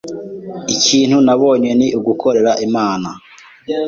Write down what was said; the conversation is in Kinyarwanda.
ikintu nabonye ni ugukorera Imana